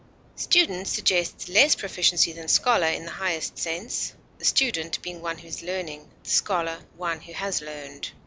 Student suggests less proficiency than scholar in the highest sense, the student being one who is learning, the scholar one who has learned.